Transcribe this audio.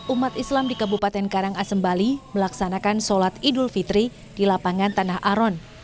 umat islam di kabupaten karangasem bali melaksanakan sholat idul fitri di lapangan tanah aron